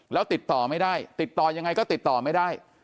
แล้วติดต่อไม่ได้ติดต่อยังไงก็ติดต่อไม่ได้